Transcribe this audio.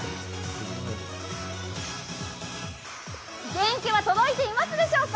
元気は届いていますでしょうか。